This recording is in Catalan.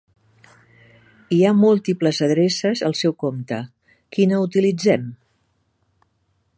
Hi ha múltiples adreces al seu compte, quina utilitzem?